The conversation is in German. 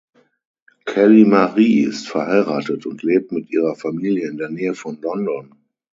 Kelly Marie ist verheiratet und lebt mit ihrer Familie in der Nähe von London.